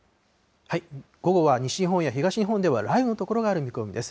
午後は西日本や東日本では雷雨の所がある見込みです。